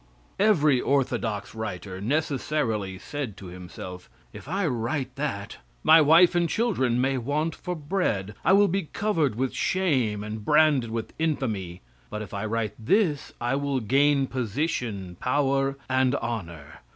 Every orthodox writer necessarily said to himself, "If I write that, my wife and children may want for bread, I will be covered with shame and branded with infamy, but if I write this, I will gain position, power and honor.